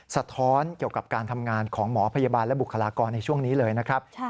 สะท้อนเกี่ยวกับการทำงานของหมอพยาบาลและบุคลากรในช่วงนี้เลยนะครับ